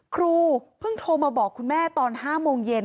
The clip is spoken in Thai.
ครูเพิ่งโทรมาบอกคุณแม่ตอน๕โมงเย็น